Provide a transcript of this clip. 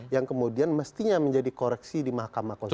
yang kemudian mestinya menjadi koreksi di mahkamah konstitusi